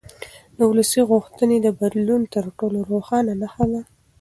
د ولس غوښتنې د بدلون تر ټولو روښانه نښه ده